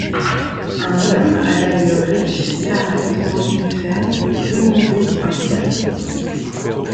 Un homme à l'allure riche s'arrête dans une ferme demander un plat paysan.